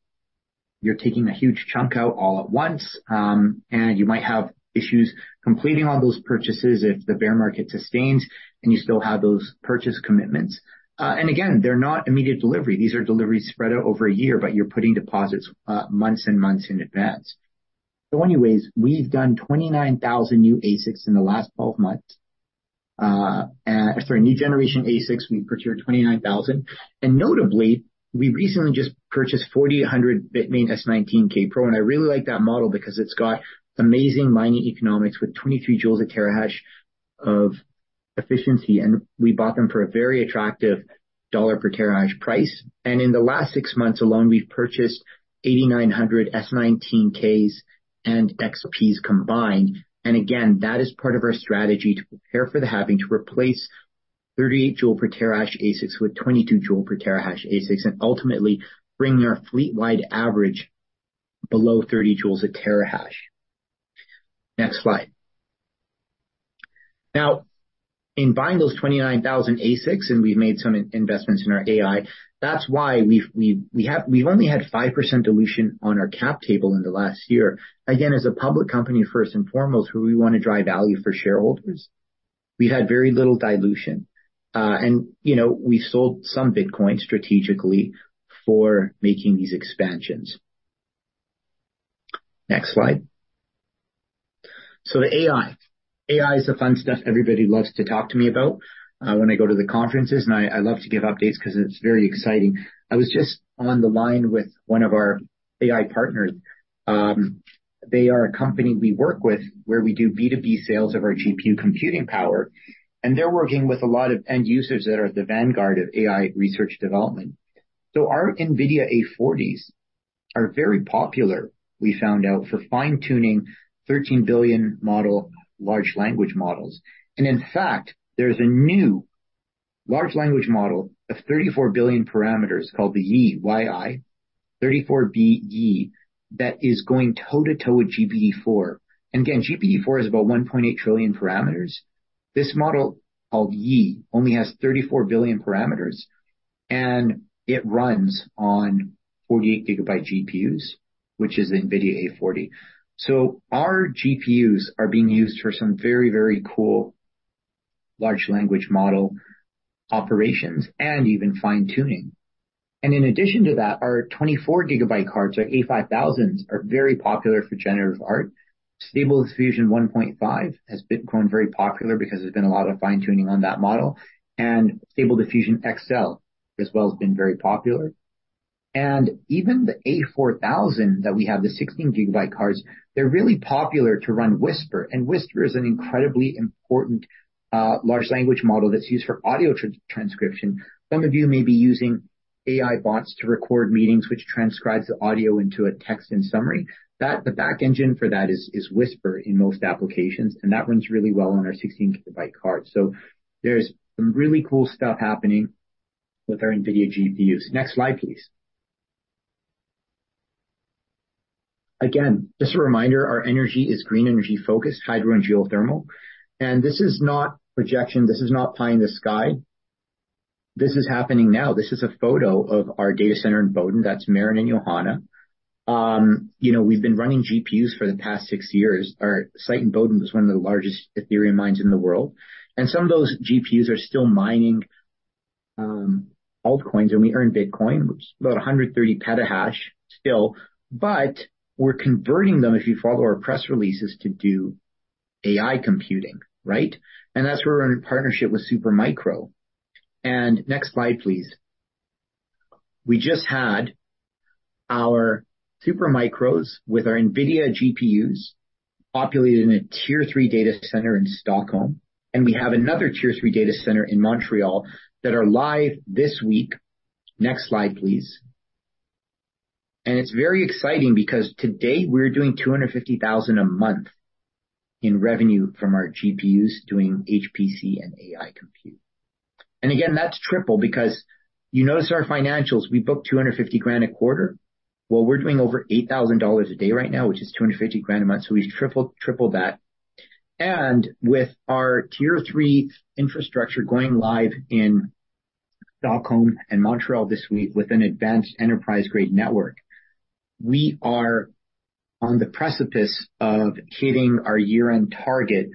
you're taking a huge chunk out all at once, and you might have issues completing all those purchases if the bear market sustains and you still have those purchase commitments. And again, they're not immediate delivery. These are deliveries spread out over a year, but you're putting deposits, months and months in advance. So anyways, we've done 29,000 new ASICs in the last 12 months. And sorry, new generation ASICs, we've procured 29,000. And notably, we recently just purchased 4,800 BITMAIN S19k Pro, and I really like that model because it's got amazing mining economics with 23 joules per terahash of efficiency, and we bought them for a very attractive $ per terahash price. And in the last 6 months alone, we've purchased 8,900 S19Ks and XPs combined. And again, that is part of our strategy to prepare for the halving, to replace 38 joule per terahash ASICs with 22 joule per terahash ASICs, and ultimately bringing our fleet-wide average below 30 joules per terahash. Next slide. Now, in buying those 29,000 ASICs, and we've made some investments in our AI, that's why we've only had 5% dilution on our cap table in the last year. Again, as a public company, first and foremost, we want to drive value for shareholders. We've had very little dilution, and, you know, we sold some Bitcoin strategically for making these expansions. Next slide. So the AI. AI is the fun stuff everybody loves to talk to me about, when I go to the conferences, and I, I love to give updates 'cause it's very exciting. I was just on the line with one of our AI partners. They are a company we work with where we do B2B sales of our GPU computing power, and they're working with a lot of end users that are at the vanguard of AI research development. So our NVIDIA A40s are very popular, we found out, for fine-tuning 13 billion model, large language models. In fact, there's a new large language model of 34 billion parameters called the Yi-34B that is going toe-to-toe with GPT-4. And again, GPT-4 is about 1.8 trillion parameters. This model, called Yi, only has 34 billion parameters, and it runs on 48-GB GPUs, which is NVIDIA A40. So our GPUs are being used for some very, very cool large language model operations and even fine-tuning. And in addition to that, our 24-GB cards, our A5000s, are very popular for generative art. Stable Diffusion 1.5 has become very popular because there's been a lot of fine-tuning on that model, and Stable Diffusion XL, as well, has been very popular. And even the A4000 that we have, the 16-GB cards, they're really popular to run Whisper, and Whisper is an incredibly important large language model that's used for audio transcription. Some of you may be using AI bots to record meetings, which transcribes the audio into a text and summary. That - the back engine for that is Whisper in most applications, and that runs really well on our 16-GB card. So there's some really cool stuff happening with our NVIDIA GPUs. Next slide, please. Again, just a reminder, our energy is green energy-focused, hydro and geothermal. This is not projection. This is not pie in the sky. This is happening now. This is a photo of our data center in Boden. That's Marin and Johanna. You know, we've been running GPUs for the past six years. Our site in Boden was one of the largest Ethereum mines in the world, and some of those GPUs are still mining altcoins, and we earn Bitcoin. It's about 130 petahash still, but we're converting them, if you follow our press releases, to do AI computing, right? And that's where we're in partnership with Supermicro. And next slide, please. We just had our Supermicros with our NVIDIA GPUs populated in a Tier III data center in Stockholm, and we have another Tier III data center in Montreal that are live this week. Next slide, please. And it's very exciting because to date, we're doing $250,000 a month in revenue from our GPUs doing HPC and AI compute. And again, that's triple because you notice our financials, we book $250,000 a quarter. Well, we're doing over $8,000 a day right now, which is $250,000 a month, so we've tripled, tripled that. And with our Tier III infrastructure going live in Stockholm and Montreal this week with an advanced enterprise-grade network, we are on the precipice of hitting our year-end target,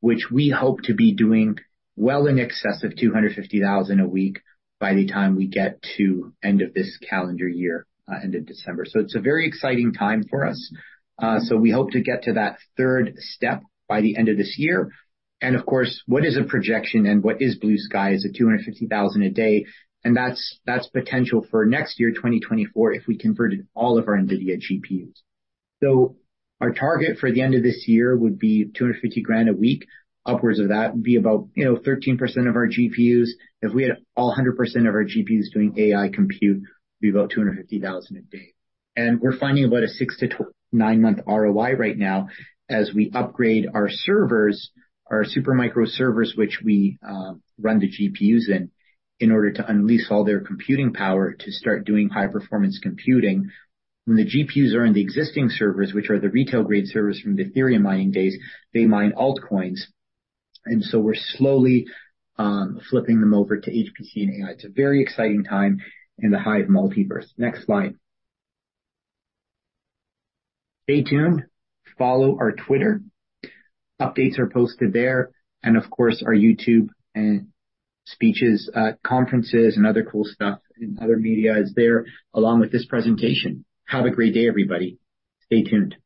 which we hope to be doing well in excess of $250,000 a week by the time we get to end of this calendar year, end of December. So it's a very exciting time for us. So we hope to get to that third step by the end of this year. And of course, what is a projection and what is blue sky is a $250,000 a day, and that's, that's potential for next year, 2024, if we converted all of our NVIDIA GPUs. So our target for the end of this year would be $250,000 a week. Upwards of that would be about, you know, 13% of our GPUs. If we had all 100% of our GPUs doing AI compute, it'd be about $250,000 a day. And we're finding about a six- to nine-month ROI right now as we upgrade our servers, our Supermicro servers, which we run the GPUs in, in order to unleash all their computing power to start doing high-performance computing. When the GPUs are in the existing servers, which are the retail grade servers from the Ethereum mining days, they mine altcoins, and so we're slowly flipping them over to HPC and AI. It's a very exciting time in the HIVE multiverse. Next slide. Stay tuned. Follow our Twitter. Updates are posted there, and of course, our YouTube and speeches, conferences, and other cool stuff and other media is there, along with this presentation. Have a great day, everybody. Stay tuned.